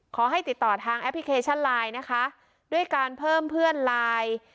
ขอให้ติดต่อทางแอปพลิเคชันไลน์นะคะด้วยการเพิ่มเพื่อนไลน์